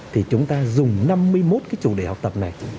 thì chúng ta dùng năm mươi một cái chủ đề học tập này